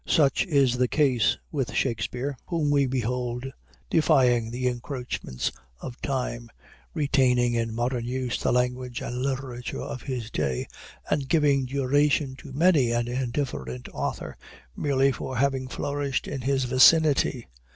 Such is the case with Shakspeare, whom we behold defying the encroachments of time, retaining in modern use the language and literature of his day, and giving duration to many an indifferent author, merely from having flourished in his vicinity.